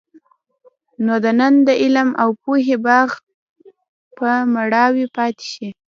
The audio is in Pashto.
نو د وطن د علم او پوهې باغ به مړاوی پاتې شي.